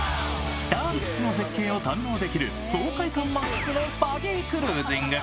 北アルプスの絶景を堪能できる爽快感マックスのバギークルージング。